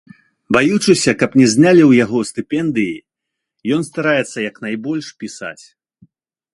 Баючыся, каб не знялі ў яго стыпендыі, ён стараецца як найбольш пісаць.